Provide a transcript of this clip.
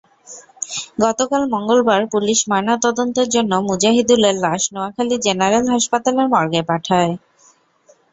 গতকাল মঙ্গলবার পুলিশ ময়নাতদন্তের জন্য মুজাহিদুলের লাশ নোয়াখালী জেনারেল হাসপাতালের মর্গে পাঠায়।